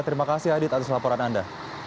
terima kasih adit atas laporan anda